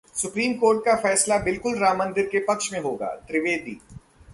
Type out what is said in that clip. supreme court का फैसला बिल्कुल राम मंदिर के पक्ष में होगा: त्रिवेदी